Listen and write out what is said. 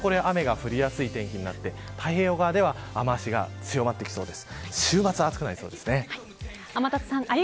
木、金は雨が降りやすい天気になって太平洋側では雨脚が強まってきそうです。